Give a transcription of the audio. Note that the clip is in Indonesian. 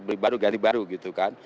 berubah baru ganti baru gitu kan